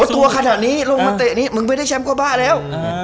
ตัวขนาดนี้ลงมาเตะนี้มึงไม่ได้แชมป์ก็บ้าแล้ว